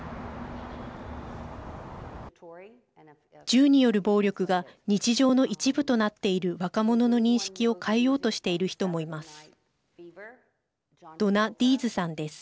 銃による暴力が日常の一部となっている若者の認識を変えようとしている人もいます。